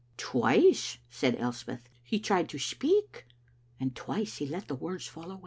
"Twice," said Elspeth, "he tried to speak, and twice he let the words fall."